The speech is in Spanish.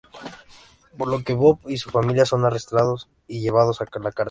Por lo que Bob y su familia son arrestados y llevados a la cárcel.